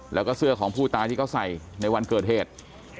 แล้วก็เสื้อของผู้ตายที่เขาใส่ในวันเกิดเหตุ